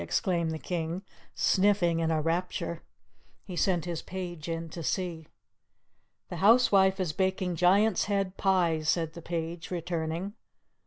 exclaimed the King, sniffing in a rapture. He sent his page in to see. "The housewife is baking Giant's head pies," said the page, returning.